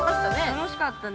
◆楽しかったね。